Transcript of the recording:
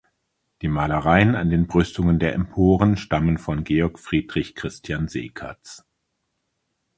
Die Malereien an den Brüstungen der Emporen stammen von Georg Friedrich Christian Seekatz.